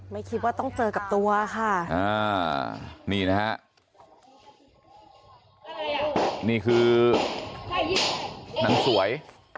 นี่นะครับนี่คือนางสวย